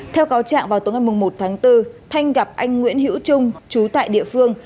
theo cáo trạng vào tối ngày một tháng bốn thanh gặp anh nguyễn hữu trung chú tại địa phương